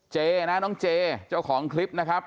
เจนะน้องเจเจ้าของคลิปนะครับ